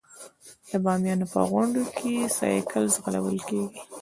د بامیانو په غونډیو کې سایکل ځغلول کیږي.